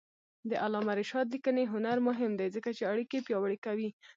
د علامه رشاد لیکنی هنر مهم دی ځکه چې اړیکې پیاوړې کوي.